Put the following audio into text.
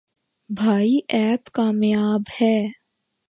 بھائی ایپ کامیاب ہے۔